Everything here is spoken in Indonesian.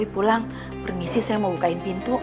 pulang permisi saya mau bukain pintu